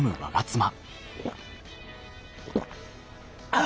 あ！